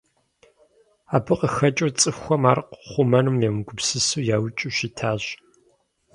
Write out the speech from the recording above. Абы къыхэкӀыу цӀыхухэм ар хъумэным емыгупсысу яукӀыу щытащ.